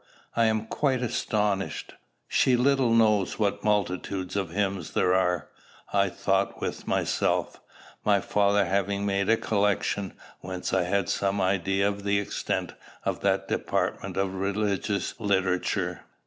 I am quite astonished." "She little knows what multitudes of hymns there are!" I thought with myself, my father having made a collection, whence I had some idea of the extent of that department of religious literature.